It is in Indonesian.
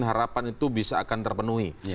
harapan itu bisa akan terpenuhi